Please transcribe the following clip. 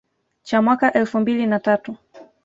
cha mwaka elfu mbili na tatu